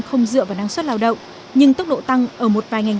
không dựa vào năng suất lao động nhưng tốc độ tăng ở một vài ngành